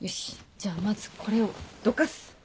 じゃあまずこれをどかす。